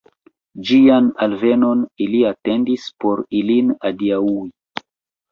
Ĝian alvenon ili atendis, por ilin adiaŭi.